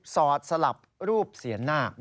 สอดสลับรูปเสียนนาค